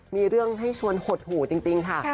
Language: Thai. มีเรื่องให้ชวนหดหู่จริงค่ะ